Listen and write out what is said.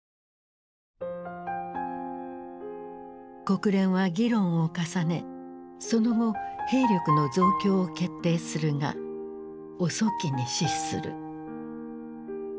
国連は議論を重ねその後兵力の増強を決定するが遅きに失する。